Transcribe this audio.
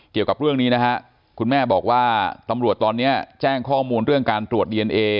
เกี่ยวกับเรื่องนี้นะฮะคุณแม่บอกว่าตำรวจตอนนี้แจ้งข้อมูลเรื่องการตรวจดีเอนเอ